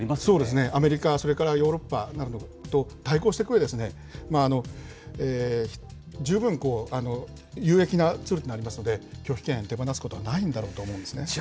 そうですね、アメリカ、それからヨーロッパなどと対抗していくうえで、十分有益なツールになりますので、拒否権、手放すことはないんだろうと思うんですね。